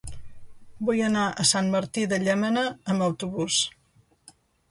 Vull anar a Sant Martí de Llémena amb autobús.